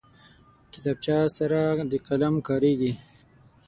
کتابچه سره د قلم کارېږي